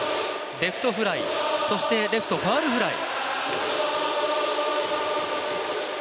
レフトフライ、そしてレフトファウルフライ。